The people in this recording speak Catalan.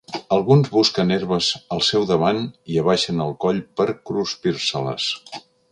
Alguns busquen herbes al seu davant i abaixen el coll per cruspirse-les.